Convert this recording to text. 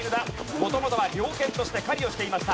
元々は猟犬として狩りをしていました。